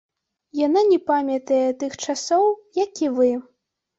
Яна не памятае тых часоў, як і вы.